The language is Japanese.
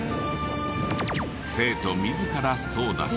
生徒自ら操舵し。